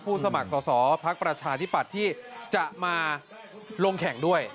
สมัครสอสอพักประชาธิปัตย์ที่จะมาลงแข่งด้วย